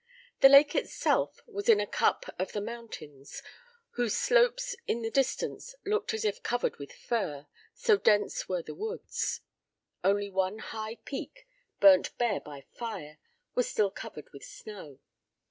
The lake itself was in a cup of the mountains, whose slopes in the distance looked as if covered with fur, so dense were the woods. Only one high peak, burnt bare by fire, was still covered with snow.